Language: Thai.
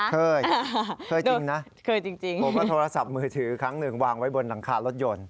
เคยเคยจริงนะเคยจริงผมก็โทรศัพท์มือถือครั้งหนึ่งวางไว้บนหลังคารถยนต์